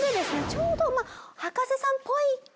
ちょうど。